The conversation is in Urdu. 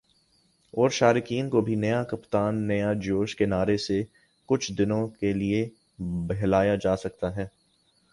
اور شائقین کو بھی "نیا کپتان ، نیا جوش" کے نعرے سے کچھ دنوں کے لیے بہلایا جاسکتا ہے